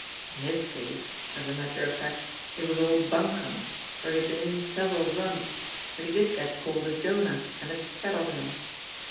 In his case, as a mat* ter of fact, it was all bunkum, for he had been in several runs, but he did get called a Jonah, and it settled him.